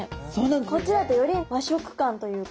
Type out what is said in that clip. こっちだとより和食感というか。